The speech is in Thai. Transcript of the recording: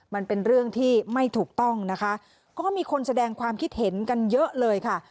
มันเป็นเรื่องที่ไม่ถูกต้องนะคะก็มีคนแสดงความคิดเห็นกันเยอะเลยค่ะ